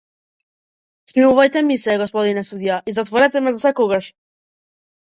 Смилувајте ми се, господине судија, и затворете ме засекогаш!